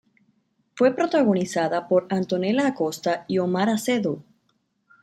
Fue protagonizada por Antonella Acosta y Omar Acedo.